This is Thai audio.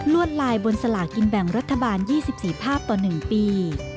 วดลายบนสลากินแบ่งรัฐบาล๒๔ภาพต่อ๑ปี